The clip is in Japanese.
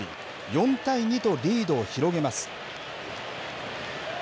４対２とリードを広げます。